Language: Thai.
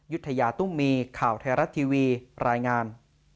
ยุธยาตุมีข่าวเทราทีวีรายงาน